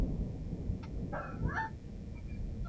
usambazaji wa sauti za mziki zilizojipanga vizuri